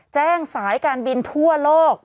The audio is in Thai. สายการบินทั่วโลก